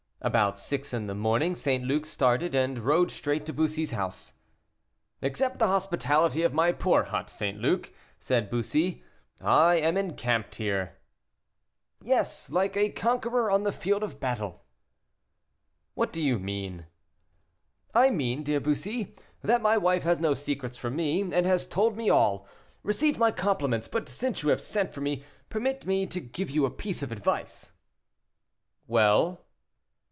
About six in the morning St. Luc started, and rode straight to Bussy's house. "Accept the hospitality of my poor hut, St. Luc," said Bussy, "I am encamped here." "Yes, like a conqueror on the field of battle." "What do you mean?" "I mean, dear Bussy, that my wife has no secrets from me, and has told me all. Receive my compliments, but, since you have sent for me, permit me to give you a piece of advice." "Well."